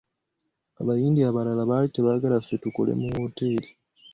Abayindi abalala baali tebaagala ffe tukole mu wooteri.